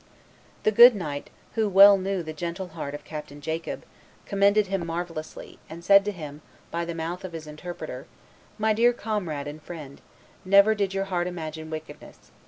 The good knight, who well knew the gentle heart of Captain Jacob, commended him marvellously, and said to him, by the mouth of his interpreter, 'My dear comrade and friend, never did your heart imagine wickedness.